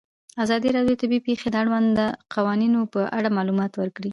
ازادي راډیو د طبیعي پېښې د اړونده قوانینو په اړه معلومات ورکړي.